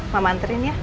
mama anterin ya